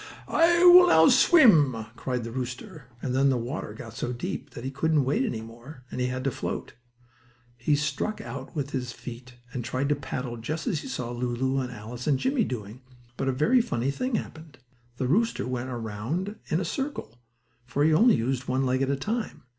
Ho! Ho I will now swim" cried the rooster, and then the water got so deep that he couldn't wade any more, and he had to float. He struck out with his feet, and tried to paddle just as he saw Lulu and Alice and Jimmie doing, but a very funny thing happened. The rooster went right around in a circle, for he only used one leg at a time.